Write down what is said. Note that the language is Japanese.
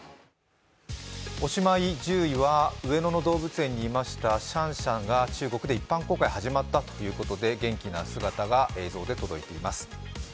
おしまい、１０位は上野動物園にいましたシャンシャンが中国で一般公開始まったということで元気な姿が映像で届いています。